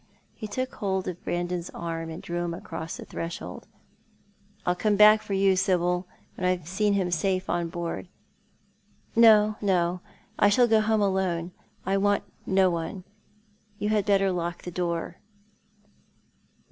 He took hold of Brandon's arm and drew him across the threshold. " I'll come back for you, Sibyl, when I've seen him safe on board." "No, no, I' shall go home alone. I want no one. You had better lock the door."